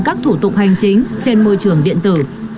các thủ tục hành chính trên môi trường điện tử